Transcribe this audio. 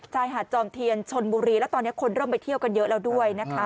ชายหาดจอมเทียนชนบุรีแล้วตอนนี้คนเริ่มไปเที่ยวกันเยอะแล้วด้วยนะคะ